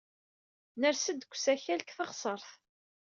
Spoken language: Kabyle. Ners-d deg usakal deg teɣsert.